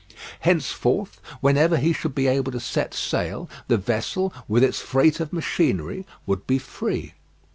Henceforth, whenever he should be able to set sail, the vessel, with its freight of machinery, would be free.